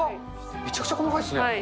めちゃくちゃ細かいですね。